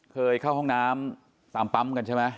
เคยเข้าห้องน้ำตามปั๊มกันใช่ไหม